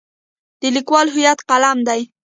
د لیکوال هویت قلم دی.